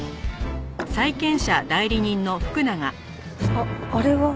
あっあれは。